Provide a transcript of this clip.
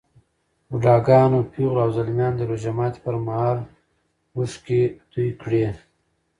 بوډاګانو، پېغلو او ځلمیانو د روژه ماتي پر مهال اوښکې توی کړې.